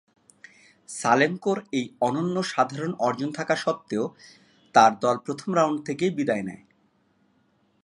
সালেঙ্কো’র এ অনন্য সাধারণ অর্জন থাকা স্বত্ত্বেও তাঁর দল প্রথম রাউন্ড থেকেই বিদায় নেয়।